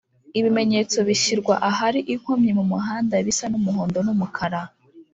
ibimenyetso bishyirwa Ahari inkomyi mumuhanda bisa n’umuhondo n’umukara